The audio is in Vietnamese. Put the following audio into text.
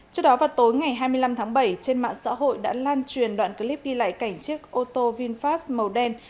trước đó vào tối ngày hai mươi năm tháng bảy trên mạng xã hội đã lan truyền đoạn clip ghi lại cảnh chiếc ô tô vinfast màu đen